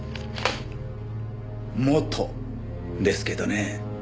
元ですけどね。